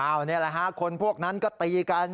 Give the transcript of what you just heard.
อ้าวนี่แหละคนพวกนั้นนังตีกัน